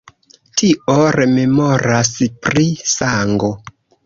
Tio rememoras pri sango.